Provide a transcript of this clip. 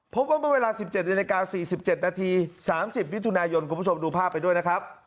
พบกันเป็นเวลา๑๗นาฬิกา๔๗นาที๓๐วิทยุณายนคุณผู้ชมดูภาพไปด้วยนะครับ